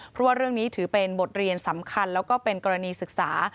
เพราะว่าเรื่องนี้ถือเป็นบทเรียนสำคัญแล้วก็เป็นกรณีศึกษา